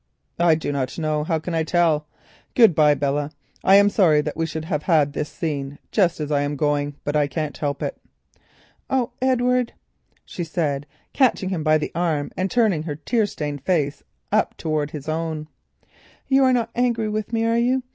"I do not know. How can I tell? Good bye, Belle. I am sorry that we should have had this scene just as I am going, but I can't help it." "Oh, Edward," she said, catching him by the arm and turning her tear stained face up towards his own, "you are not angry with me, are you?